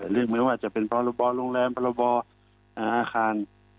นั่นสิเหมือนว่าจะเป็นพรบโรงแรมพรบอาคาร